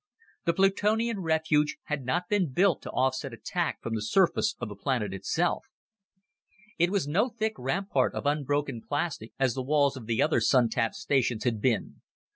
The Plutonian refuge had not been built to offset attack from the surface of the planet itself. It was no thick rampart of unbroken plastic as the walls of the other Sun tap stations had been.